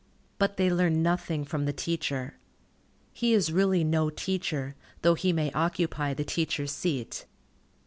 But they learn nothing from the teacher. He is really no teacher, though he may occupy the teacher's seat.